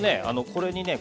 これにね